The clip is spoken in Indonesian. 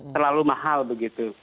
terlalu mahal begitu